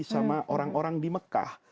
sama orang orang di mekah